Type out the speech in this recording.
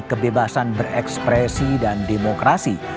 kebebasan berekspresi dan demokrasi